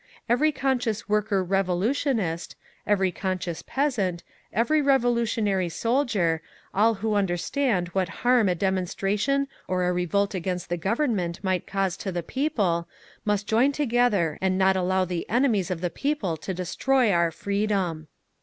"Every conscious worker revolutionist, every conscious peasant, every revolutionary soldier, all who understand what harm a demonstration or a revolt against the Government might cause to the people, must join together and not allow the enemies of the people to destroy our freedom."